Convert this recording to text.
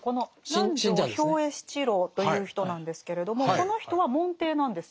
南条兵衛七郎という人なんですけれどもこの人は門弟なんですよね。